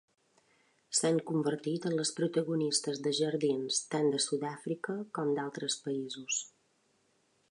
S'han convertit en les protagonistes de jardins tant de Sud-àfrica com d'altres països.